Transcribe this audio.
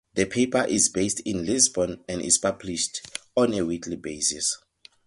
The paper is based in Lisbon and is published on a weekly basis.